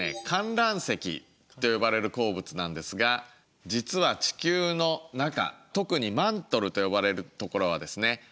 カンラン石と呼ばれる鉱物なんですが実は地球の中特にマントルと呼ばれる所はですね